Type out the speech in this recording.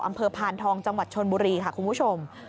พานทองจังหวัดชนบุรีค่ะคุณผู้ชม